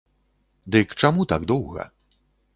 Дык чаму так доўга?